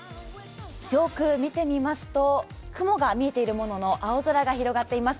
上空、見てみますと雲が見えているものの青空が広がっています。